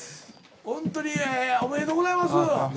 ほんとにええおめでとうございます。